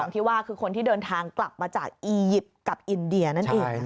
ที่ว่าคือคนที่เดินทางกลับมาจากอียิปต์กับอินเดียนั่นเอง